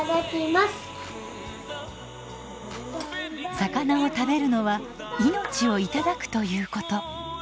魚を食べるのは命をいただくということ。